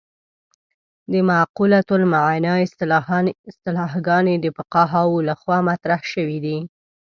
د معقولة المعنی اصطلاحګانې د فقهاوو له خوا مطرح شوې دي.